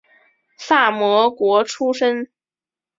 萨摩国出身。